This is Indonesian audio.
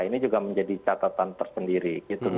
ini juga menjadi catatan tersendiri